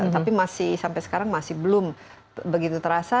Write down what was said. tapi masih sampai sekarang masih belum begitu terasa